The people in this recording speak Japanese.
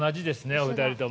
お二人とも。